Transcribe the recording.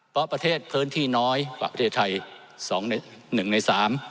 เพราะประเทศพื้นที่น้อยกว่าประเทศไทย๒๑ใน๓